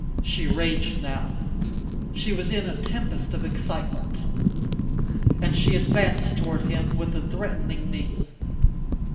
She raged now. She was in a tempest of excitement. And she advanced towards him with a threatening mien.